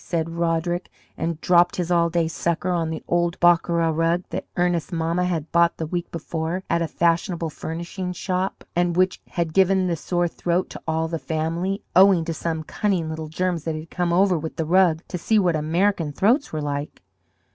said Roderick, and dropped his all day sucker on the old Bokara rug that Ernest's mamma had bought the week before at a fashionable furnishing shop, and which had given the sore throat to all the family, owing to some cunning little germs that had come over with the rug to see what American throats were like.